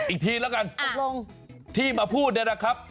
อีกทีแล้วกันที่มาพูดด้วยนะครับ